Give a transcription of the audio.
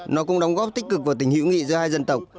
nó cũng đóng góp tích cực vào tình hữu nghị giữa hai dân tộc